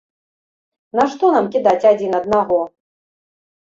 Нашто нам кідаць адзін аднаго?